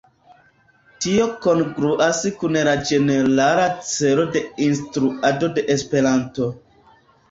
Tio kongruas kun la ĝenerala celo de instruado de Esperanto.